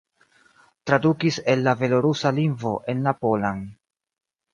Tradukis el la belorusa lingvo en la polan.